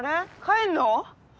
帰んの？